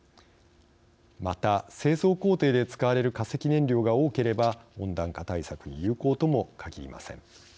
また、製造工程で使われる化石燃料が多ければ温暖化対策に有効ともかぎりません。